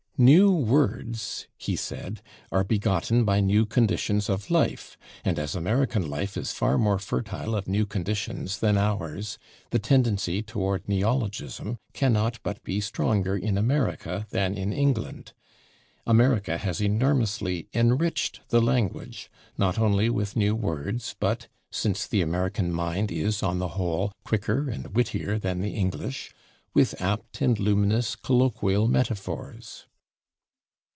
"New words," he said, "are begotten by new conditions of life; and as American life is far more fertile of new conditions than ours, the tendency toward neologism cannot but be stronger in America than in England. America has enormously enriched the language, not only with new words, but (since the American mind is, on the whole, quicker and wittier than the English) with apt and luminous colloquial metaphors."